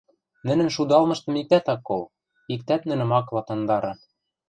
Нӹнӹн шудалмыштым иктӓт ак кол, иктӓт нӹнӹм ак ладнангдары.